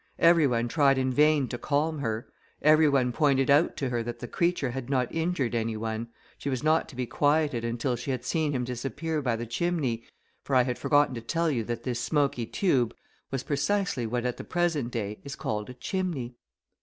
Every one tried in vain to calm her; every one pointed out to her, that the creature had not injured any one; she was not to be quieted until she had seen him disappear by the chimney, for I had forgotten to tell you that this smoky tube was precisely what at the present day is called a chimney.